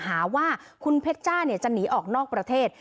หาว่าคุณเพชรจ้าจะหนีออกนอกประเทศ